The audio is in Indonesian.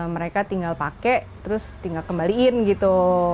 mereka tinggal pakai terus tinggal kembaliin gitu